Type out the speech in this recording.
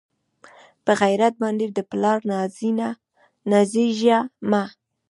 پۀ غېرت باندې د پلار نازېږه مۀ